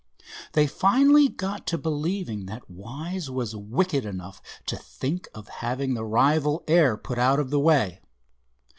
They finally got to believing that Wise was wicked enough to think of having the rival heir put out of the way.